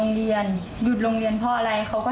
มาลังติดโรงเรียนแทนเข่งเดือน